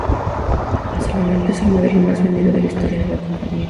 Hasta el momento, es el modelo más vendido de la historia de la compañía.